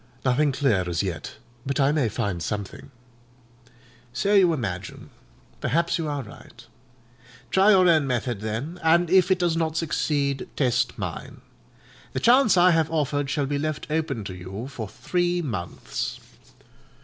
"Nothing clear as yet: but I may find something." "So you imagine: perhaps you are right. Try your own method, then; and if it does not succeed, test mine. The chance I have offered shall be left open to you for three months."